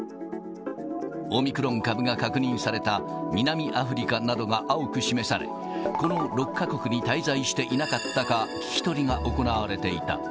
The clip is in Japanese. オミクロン株が確認された南アフリカなどが青く示され、この６か国に滞在していなかったか聞き取りが行われていた。